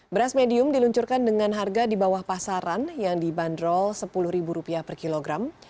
beras medium diluncurkan dengan harga di bawah pasaran yang dibanderol rp sepuluh per kilogram